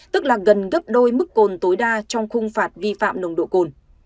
tức là gần gấp đôi mức cồn tối đa trong khung phạt vi phạm nồng độ cồn